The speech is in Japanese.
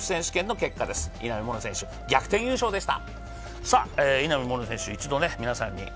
稲見選手、逆転優勝でした。